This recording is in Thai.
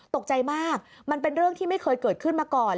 ตกใจมากมันเป็นเรื่องที่ไม่เคยเกิดขึ้นมาก่อน